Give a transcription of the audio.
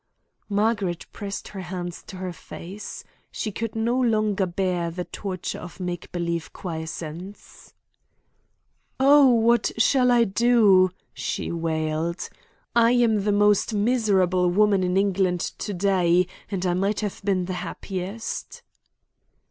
Margaret pressed her hands to her face. She could no longer bear the torture of make believe quiescence. "Oh, what shall I do!" she wailed. "I am the most miserable woman in England to day, and I might have been the happiest."